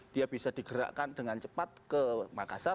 dia bisa digerakkan dengan cepat ke makassar